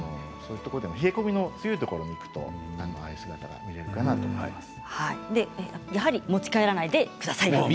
冷え込みの強いところに行くとやはり持ち帰らないでください。